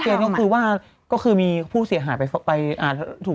แต่ท่านเจนก็คือว่าก็คือมีผู้เสียหายไปถูกไหมคะ